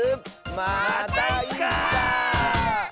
またいつか！